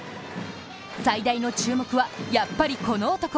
最大の注目は、やっぱりこの男。